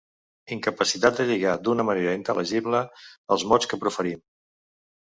Incapacitat de lligar d'una manera intel·ligible els mots que proferim.